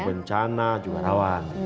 bencana juga rawan